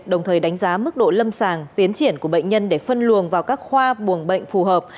đồng thời đánh giá mức độ lâm sàng tiến triển của bệnh nhân để phân luồng vào các khoa buồng bệnh phù hợp